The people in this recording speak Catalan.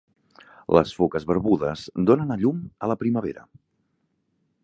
Les foques barbudes donen a llum a la primavera.